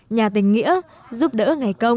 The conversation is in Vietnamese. nhà tình nghĩa giúp đỡ ngày công